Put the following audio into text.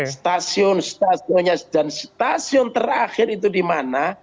stasiun stasiunnya dan stasiun terakhir itu di mana